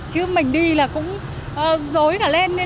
chứ mình đi là cũng dối cả lên